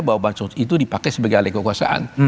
bahwa bansos itu dipakai sebagai alih kekuasaan